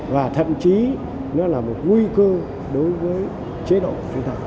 và thậm chí nó là một nguy cơ đối với chế độ suy thoái